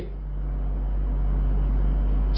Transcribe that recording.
สอง